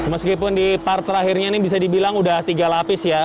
meskipun di part terakhirnya ini bisa dibilang sudah tiga lapis ya